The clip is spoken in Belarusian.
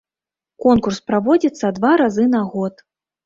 Конкурс праводзіцца два разы на год.